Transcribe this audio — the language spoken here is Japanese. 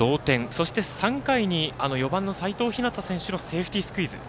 そして、３回に４番の齋藤陽選手のセーフティースクイズ。